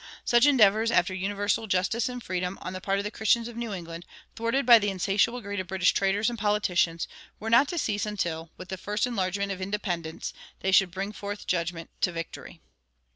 Such endeavors after universal justice and freedom, on the part of the Christians of New England, thwarted by the insatiable greed of British traders and politicians, were not to cease until, with the first enlargement of independence, they should bring forth judgment to victory.